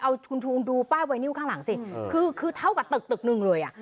เอาชูดูป้ายไวนิวข้างหลังสิคือเท่ากับตึกตึกหนึ่งเลยอ่ะ